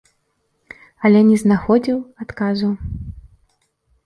Але не знаходзіў адказу.